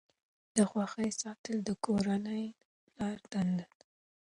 د خوښۍ ساتل د کورنۍ د پلار دنده ده.